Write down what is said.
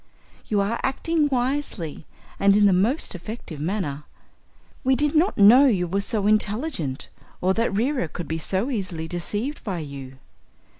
You are acting wisely and in the most effective manner. We did not know you were so intelligent, or that Reera could be so easily deceived by you.